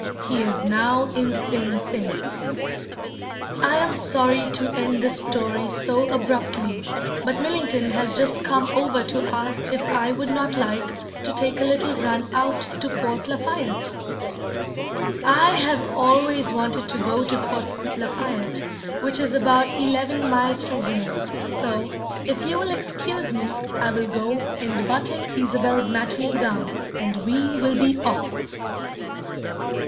He is now in Sing Sing. I am sorry to end this story so abruptly, but Millington has just come over to ask if I would not like to take a little run out to Port Lafayette. I have always wanted to go to Port Lafayette, which is about eleven miles from here; so, if you will excuse me, I will go and button Isobel's matinee gown, and we will be off.